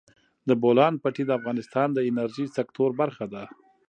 د بولان پټي د افغانستان د انرژۍ سکتور برخه ده.